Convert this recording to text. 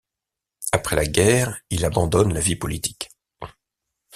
Après la guerre, il abandonne la vie politique.